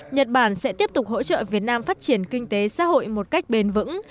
nhật bản sẽ tiếp tục hỗ trợ việt nam phát triển kinh tế xã hội một cách bền vững